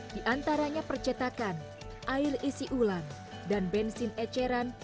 di antaranya percetakan air isi ulang dan bensin eceran